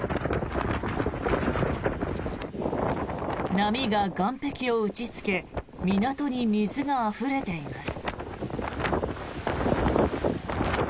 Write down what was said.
波が岸壁を打ちつけ港に水があふれています。